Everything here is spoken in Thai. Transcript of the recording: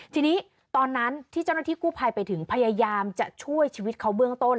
ทีนี้ตอนนั้นที่เจ้าหน้าที่กู้ภัยไปถึงพยายามจะช่วยชีวิตเขาเบื้องต้น